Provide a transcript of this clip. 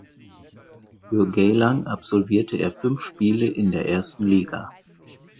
Für Geylang absolvierte er fünf Spiele in der ersten Liga.